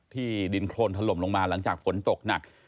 ดินโครนถล่มลงมาหลังจากฝนตกหนัก